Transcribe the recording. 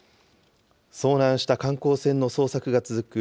遭難した観光船の捜索が続く